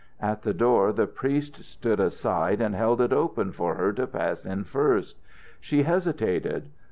At the door the priest stood aside and held it open for her to pass in first. She hesitated.